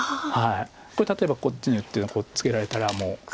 これ例えばこっちに打ってツケられたらもう。